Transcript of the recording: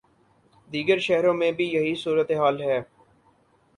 دیگر شہروں میں بھی یہی صورت حال ہے۔